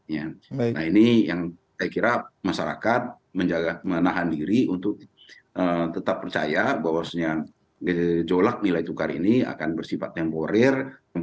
nah ini yang saya kira masyarakat menahan diri untuk tetap percaya bahwasannya gejolak nilai tukar ini akan bersifat temporer